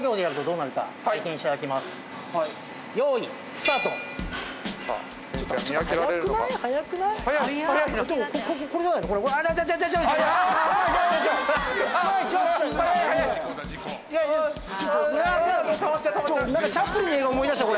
なんかチャップリンの映画思い出したこれ。